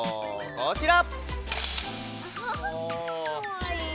こちら！